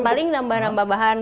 paling nambah nambah bahan